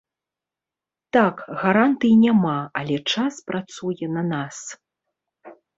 Так, гарантый няма, але час працуе на нас.